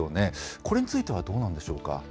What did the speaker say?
これについてはどうなんでしょうか。